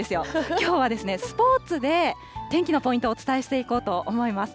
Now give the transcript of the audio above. きょうは、スポーツで、天気のポイントをお伝えしていこうと思います。